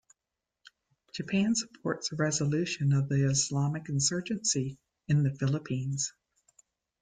Japan supports the resolution of the Islamic insurgency in the Philippines.